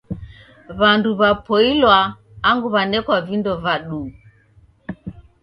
W'andu w'apoilwa angu w'anekwa vindo va duu.